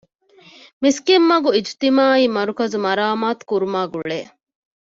މިސްކިތްމަގު އިޖުތިމާޢީ މަރުކަޒު މަރާމާތު ކުރުމާގުޅޭ